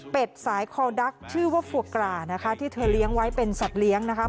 เป็นสายคอดักชื่อว่าฟัวกรานะคะที่เธอเลี้ยงไว้เป็นสัตว์เลี้ยงนะคะ